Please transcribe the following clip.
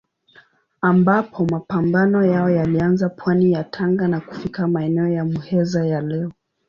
Ambapo mapambano yao yalianza pwani ya Tanga na kufika maeneo ya Muheza ya leo.